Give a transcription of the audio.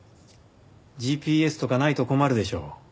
ＧＰＳとかないと困るでしょう。